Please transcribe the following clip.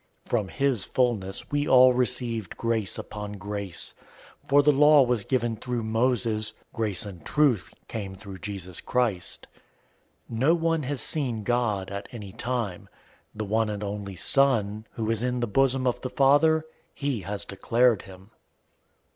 '" 001:016 From his fullness we all received grace upon grace. 001:017 For the law was given through Moses. Grace and truth came through Jesus Christ. 001:018 No one has seen God at any time. The one and only Son,{NU reads "God"} who is in the bosom of the Father, he has declared him.